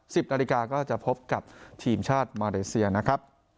นาฬิกาก็จะพบกับทีมชาติมาเลเซียนะครับ